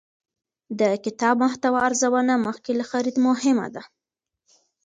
د کتاب محتوا ارزونه مخکې له خرید مهمه ده.